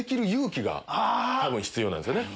たぶん必要なんですよね。